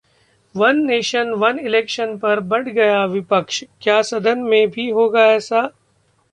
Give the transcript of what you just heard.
One nation one election पर बंट गया विपक्ष, क्या सदन में भी होगा ऐसा?